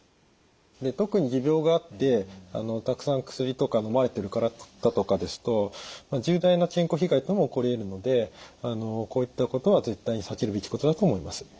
で特に持病があってたくさん薬とかのまれてる方とかですと重大な健康被害も起こりえるのでこういったことは絶対に避けるべきことだと思います。